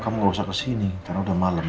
kamu gak usah kesini karena udah malam